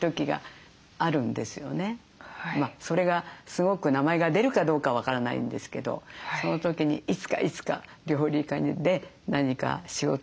それがすごく名前が出るかどうか分からないんですけどその時にいつかいつか料理家で何か仕事になった時は必ず朝。